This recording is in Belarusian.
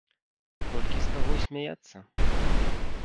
Толькі з каго смяяцца?